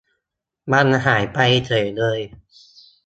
มันหายไปเฉยเลย